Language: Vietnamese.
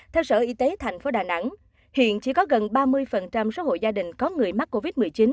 theo sở y tế tp đà nẵng hiện chỉ có gần ba mươi số hộ gia đình có người mắc covid một mươi chín